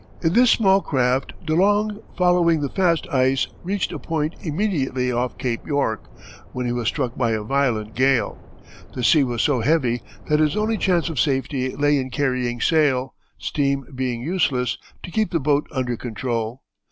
In this small craft De Long, following the fast ice, reached a point immediately off Cape York, when he was struck by a violent gale. The sea was so heavy that his only chance of safety lay in carrying sail, steam being useless, to keep the boat under control.